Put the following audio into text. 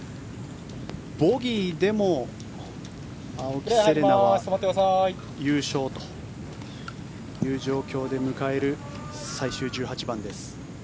ボギーでも青木瀬令奈は優勝という状況で迎える最終１８番です。